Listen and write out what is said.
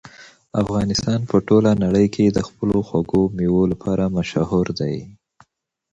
افغانستان په ټوله نړۍ کې د خپلو خوږو مېوو لپاره مشهور دی.